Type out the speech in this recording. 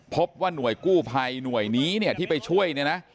พบว่าหน่วยกู้ภัยหน่วยนี้เนี่ยที่ไปช่วยเนี่ยนะ